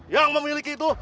yang memiliki itu